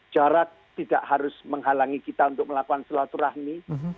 jarak tidak harus menghalangi kita untuk melakukan selatu rahmi